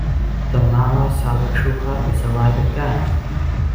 The Mara Salvatrucha is a rival gang.